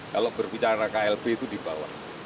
kalau berbicara klb itu di bawah